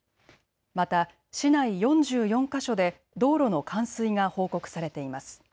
また市内４４か所で道路の冠水が報告されています。